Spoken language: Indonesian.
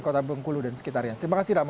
kota bengkulu dan sekitarnya terima kasih rama